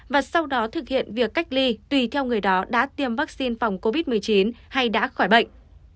và sau đó thực hiện việc cách ly tùy theo người đó đã tiêm vaccine phòng covid một mươi chín hay đã khỏi bệnh